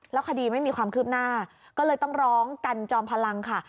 คดีไม่มีความคืบหน้าก็เลยต้องร้องกันจอมพลังค่ะ